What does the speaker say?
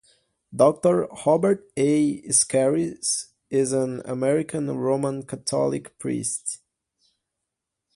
Doctor Robert A. Skeris is an American Roman Catholic priest.